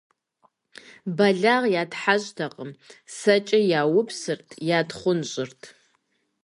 Бэлагъ ятхьэщӀтэкъым; сэкӀэ яупсырт, ятхъунщӀырт.